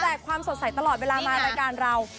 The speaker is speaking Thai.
แต่แปลกความสดใสตลอดเวลามารายการเรา